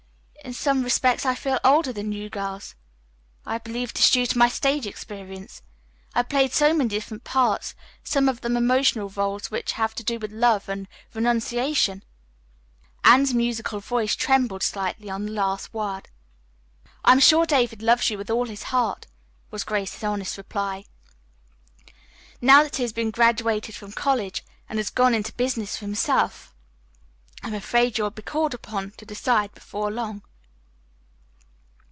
"In some respects I feel years older than you girls. I believe it is due to my stage experience; I have played so many different parts, some of them emotional roles which have to do with love and renunciation." Anne's musical voice trembled slightly on the last word. "I am sure David loves you with all his heart," was Grace's honest reply. "Now that he has been graduated from college and has gone into business for himself, I am afraid you will be called upon to decide before long."